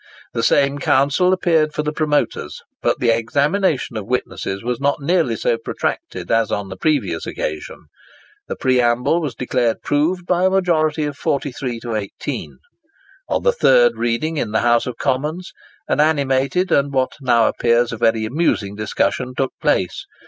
The same counsel appeared for the promoters, but the examination of witnesses was not nearly so protracted as on the previous occasion. The preamble was declared proved by a majority of 43 to 18. On the third reading in the House of Commons, an animated, and what now appears a very amusing discussion took place.